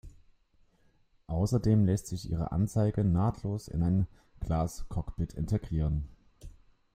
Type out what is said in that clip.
Außerdem lässt sich ihre Anzeige nahtlos in ein Glascockpit integrieren.